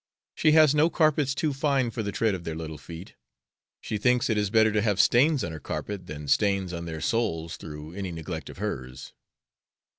She has no carpets too fine for the tread of their little feet. She thinks it is better to have stains on her carpet than stains on their souls through any neglect of hers.